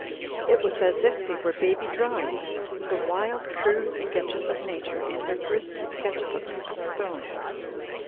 It was as if they were baby drawings: the wild, crude sketches of Nature in her first sketch books of stone.